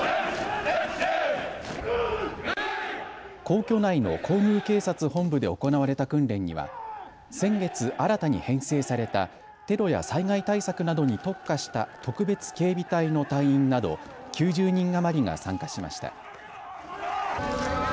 皇居内の皇宮警察本部で行われた訓練には先月、新たに編成されたテロや災害対策などに特化した特別警備隊の隊員など９０人余りが参加しました。